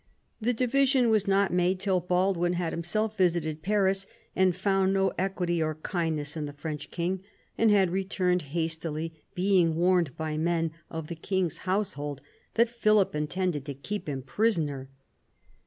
The division was not made till Baldwin had himself visited Paris and " found no equity or kindness in the French king," and had returned hastily, being warned by men of the king's household that Philip intended to keep him prisoner.